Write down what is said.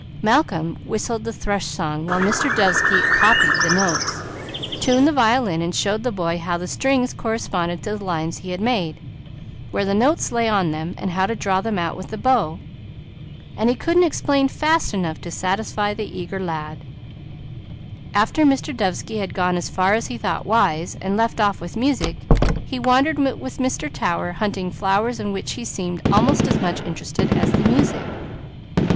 Malcolm whistled the thrush song while Mr. Dovesky copied the notes, tuned the violin, and showed the boy how the strings corresponded to the lines he had made, where the notes lay on them, and how to draw them out with the bow. He could not explain fast enough to satisfy the eager lad. After Mr. Dovesky had gone as far as he thought wise, and left off with music, he wandered with Mr. Tower hunting flowers in which he seemed almost as much interested as the music.